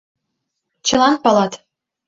Чылан палат!